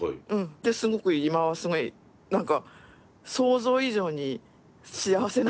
ですごく今はすごい何か想像以上に幸せなんですけど。